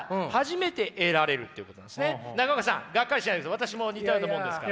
私も似たようなもんですから。